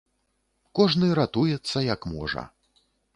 Кожны ратуецца, як можа.